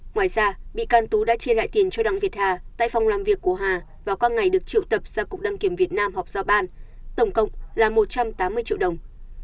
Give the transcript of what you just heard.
ngoài ra bị can tú đã chia lại tiền cho đặng việt hà tại phòng làm việc của hà vào qua ngày được triệu tập ra cục đăng kiểm việt nam họp giao ban tổng cộng là một trăm tám mươi triệu đồng